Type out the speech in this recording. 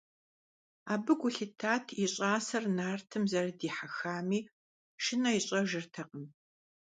Абы гу лъитат и щӀасэр нартым зэрыдихьэхами, шынэ ищӀэжыртэкъым.